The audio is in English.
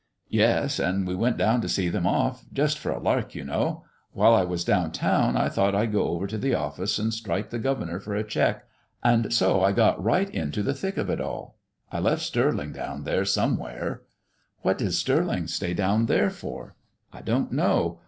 "Yes, and we went down to see them off just for a lark, you know. While I was down town I thought I'd go over to the office and strike the governor for a check, and so I got right into the thick of it all. I left Stirling down there somewhere." "What did Stirling stay down there for?" "I don't know.